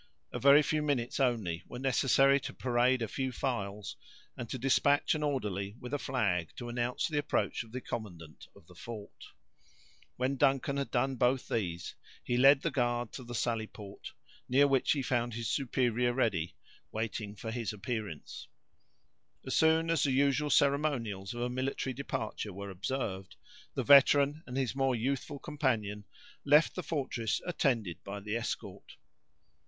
A very few minutes only were necessary to parade a few files, and to dispatch an orderly with a flag to announce the approach of the commandant of the fort. When Duncan had done both these, he led the guard to the sally port, near which he found his superior ready, waiting his appearance. As soon as the usual ceremonials of a military departure were observed, the veteran and his more youthful companion left the fortress, attended by the escort.